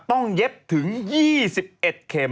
ต้องเย็บถึง๒๑เข็ม